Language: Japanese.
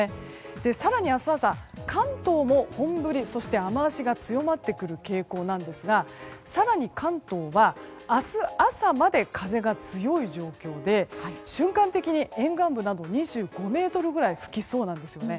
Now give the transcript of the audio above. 更に明日朝、関東も本降りそして雨脚が強まる傾向ですが更に関東は明日朝まで風が強い状況で瞬間的に沿岸部などで何と２５メートルぐらい吹きそうです。